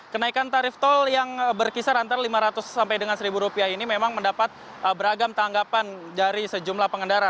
kenaikan tarif tol yang berkisar antara lima ratus sampai dengan seribu rupiah ini memang mendapat beragam tanggapan dari sejumlah pengendara